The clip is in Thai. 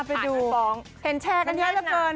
เป็นแชร์กันเนื้อหนึ่ง